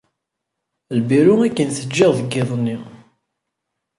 Lbiru akken t-ǧǧiɣ deg yiḍ-nni.